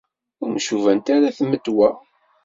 Ur mcubant ara tmetwa.